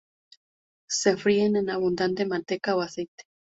Se fríen en abundante manteca o aceite.